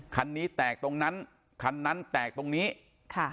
คันนี้แตกตรงนั้นคันนั้นแตกตรงนี้ค่ะ